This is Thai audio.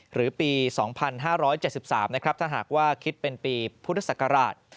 หรือปี๒๕๗๓นะครับถ้าหากว่าคิดเป็นปีพุทธศักราช